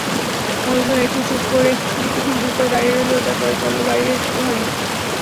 মধুসূদন একটুক্ষণ চুপ করে দাঁড়িয়ে রইল, তার পরে চলল বাইরের ঘরে।